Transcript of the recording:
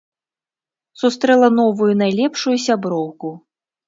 Сустрэла новую найлепшую сяброўку.